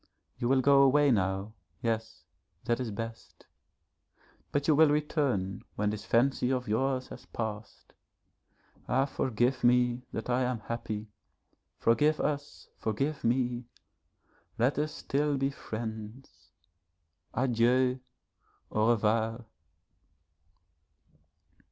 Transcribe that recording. You will go away now, yes, that is best, but you will return when this fancy of yours has passed. Ah forgive me that I am happy forgive us, forgive me. Let us still be friends. Adieu! Au revoir.